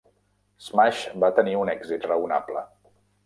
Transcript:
Smash va tenir un èxit raonable.